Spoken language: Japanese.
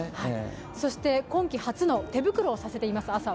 朝は今季初の手袋をさせています。